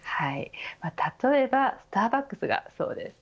例えばスターバックスがそうです。